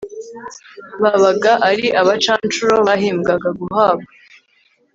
babaga ari abacancuro bahembwaga guhabwa